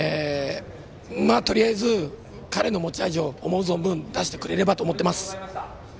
とりあえず、彼の持ち味を思う存分出してくれればと思います。